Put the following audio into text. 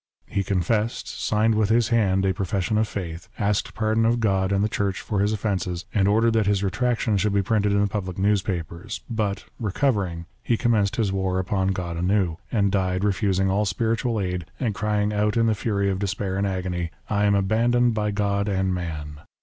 He confessed, signed with his hand a profession of faith, asked pardon of God and the Church for his offences, and ordered that his retractation should be printed in the public newspapers ; but, recovering, he commenced his war upon God anew, and died refusing all spiritual aid, and crying out in the fury of despair and agony, "I am abandoned by God and man."